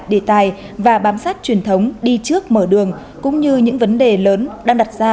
đề tài và bám sát truyền thống đi trước mở đường cũng như những vấn đề lớn đang đặt ra